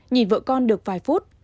nhìn vợ con được vài phút